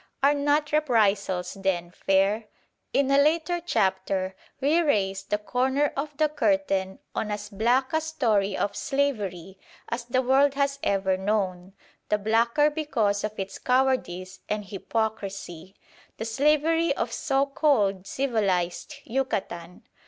Are not reprisals, then, fair? In a later chapter we raise the corner of the curtain on as black a story of slavery as the world has ever known, the blacker because of its cowardice and hypocrisy the slavery of so called civilised Yucatan.